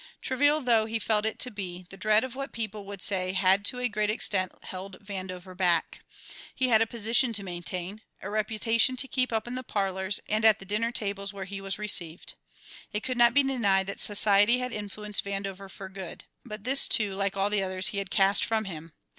Trivial though he felt it to be, the dread of what people would say had to a great extent held Vandover back. He had a position to maintain, a reputation to keep up in the parlours and at the dinner tables where he was received. It could not be denied that society had influenced Vandover for good. But this, too, like all the others, he had cast from him.